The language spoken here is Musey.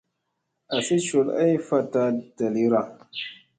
Asi col ay faɗta dalira.